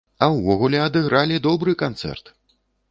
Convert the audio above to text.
А ўвогуле адыгралі добры канцэрт!